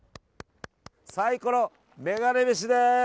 サイコロメガネ飯です！